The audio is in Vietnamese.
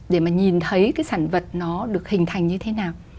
để mà nhìn thấy cái sản vật nó được hình thành như thế nào